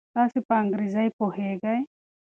تاسو په انګریزي پوهیږئ؟